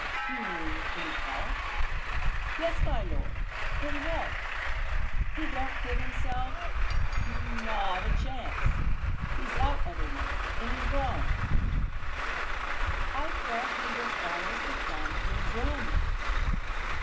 "You mean in health?" "Yes, my lord; in health. He don't give himself, not a chance. He's out every night, in his brougham." "I thought he was almost confined to his room?"